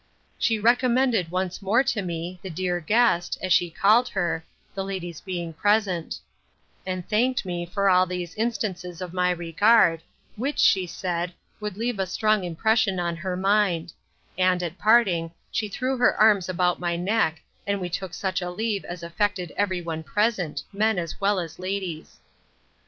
She recommended once more to me, the dear guest, as she called her, the ladies being present; and thanked me for all these instances of my regard, which, she said, would leave a strong impression on her mind; and, at parting, she threw her arms about my neck, and we took such a leave, as affected every one present, men, as well as ladies.